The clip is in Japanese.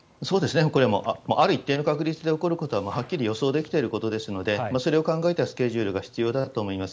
ある一定の確率で起こることは予想できていることなのでそれを考えたスケジュールが必要だと思います。